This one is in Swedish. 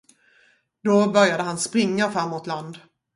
Då började han springa fram mot land.